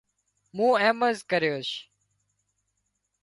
مُون ايمز ڪريوش